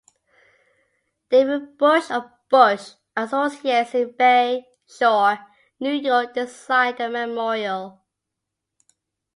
David Busch of Busch Associates in Bay Shore, New York designed the memorial.